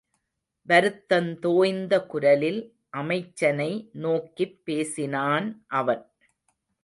வருத்தந்தோய்த குரலில் அமைச்சனை நோக்கிப் பேசினான் அவன்.